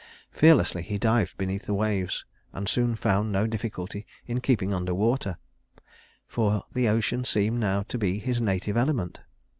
Fearlessly he dived beneath the waves, and soon found no difficulty in keeping under water, for the ocean seemed now to be his native element.